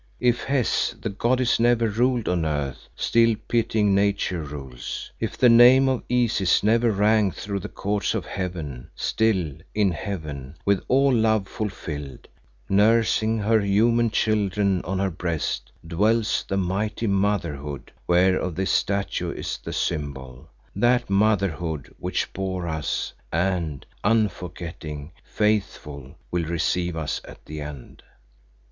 If Hes the goddess never ruled on earth, still pitying Nature rules. If the name of Isis never rang through the courts of heaven, still in heaven, with all love fulfilled, nursing her human children on her breast, dwells the mighty Motherhood where of this statue is the symbol, that Motherhood which bore us, and, unforgetting, faithful, will receive us at the end.